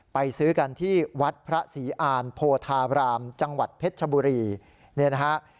ซื้อกันที่วัดพระศรีอานโพธารามจังหวัดเพชรชบุรีเนี่ยนะฮะ